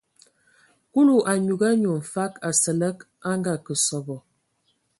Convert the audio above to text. Kulu a nyugu anyu mfag Asǝlǝg a ngakǝ sɔbɔ.